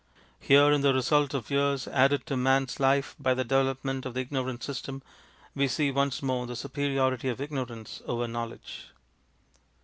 Here, in the result of years added to manŌĆÖs life by the development of the ignorant system, we see once more the superiority of ignorance over knowledge.